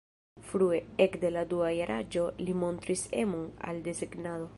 Frue, ekde la dua jaraĝo li montris emon al desegnado.